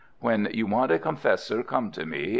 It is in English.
_ When you want a confessor, come to me.